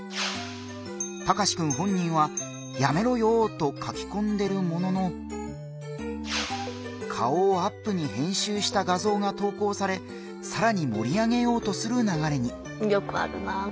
タカシくん本人は「やめろよー」と書きこんでるものの顔をアップに編集した画像が投稿されさらに盛り上げようとするながれに。